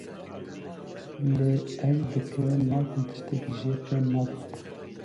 Lê ez dikim nakim tiştekî jê fêm nakim.